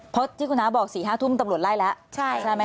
เพราะที่คุณน้าบอก๔๕ทุ่มตำรวจไล่แล้วใช่ไหมค